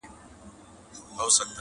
زه یې د قبر سر ته ناست یمه پیالې لټوم,